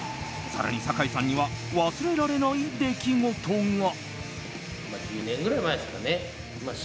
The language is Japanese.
更に、坂井さんには忘れられない出来事が。